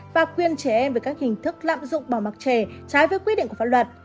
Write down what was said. và quyền trẻ em về các hình thức lạm dụng bảo mặt trẻ trái với quy định của pháp luật